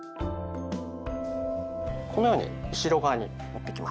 このように後ろ側に持ってきます。